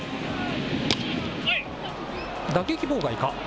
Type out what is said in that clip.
打撃妨害か？